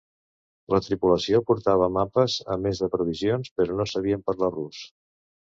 La tripulació portava mapes a més de provisions, però no sabien parlar rus.